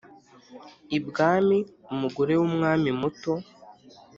Ibwami umugore wumwami muto